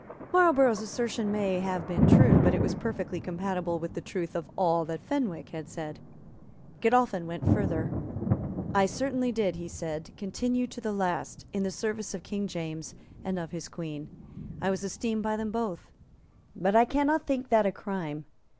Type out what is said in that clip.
Marlborough's assertion may have been true; but it was perfectly compatible with the truth of all that Fenwick had said. Godolphin went further. "I certainly did," he said, "continue to the last in the service of King James and of his Queen. I was esteemed by them both. But I cannot think that a crime.